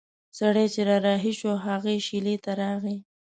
سړی چې را رهي شو هغې شېلې ته راغی.